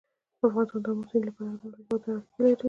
افغانستان د آمو سیند له پلوه له نورو هېوادونو سره اړیکې لري.